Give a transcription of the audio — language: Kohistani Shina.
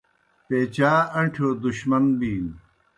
پیچا اݩٹھِیؤ دُشمن بِینوْ